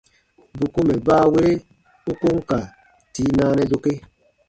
Bù ko mɛ̀ baawere u ko n ka tii naanɛ dokee.